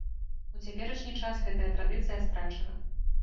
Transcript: У цяперашні час гэтая традыцыя страчана.